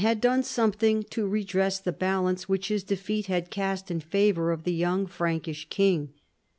had done something to redress the balance which his defeat had cast in favour of the young Frankish king.